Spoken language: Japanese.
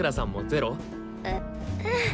ううん。